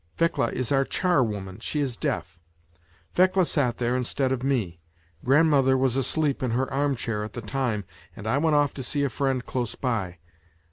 Fekla is our charwoman, she is deaf. Fekla sat there instead of me ; grandmother was asleep in her arm chair at the time, and I went off to see a friend close by.